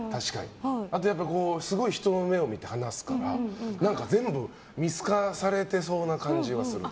あと、すごい人の目を見て話すから何か全部見透かされてそうな感じはする。